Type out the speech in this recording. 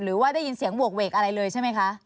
หรือว่าได้ยินเสียงโหกเวกอะไรเลยใช่ไหมคะ